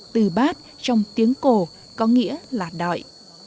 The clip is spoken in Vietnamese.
từ bát trong tiếng cổ có nghĩa là đợi